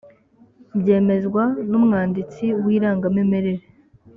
byemezwa n’ umwanditsi w’ irangamimerere .